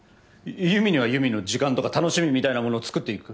優美には優美の時間とか楽しみみたいなものを作っていく。